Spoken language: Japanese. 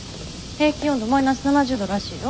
平均温度マイナス７０度らしいよ。